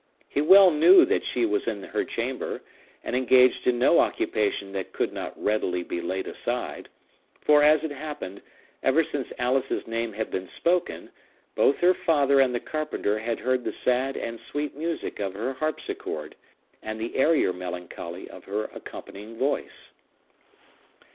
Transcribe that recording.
He well knew that she was in her chamber, and engaged in no occupation that could not readily be laid aside; for, as it happened, ever since Alice's name had been spoken, both her father and the carpenter had heard the sad and sweet music of her harpsichord, and the airier melancholy of her accompanying voice.